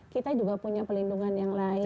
kita juga punya pelindungan yang lain